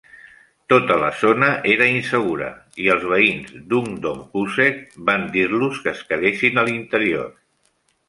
Tota la zona era insegura i els veïns d'Ungdomshuset van dir-los que es quedessin a l'interior.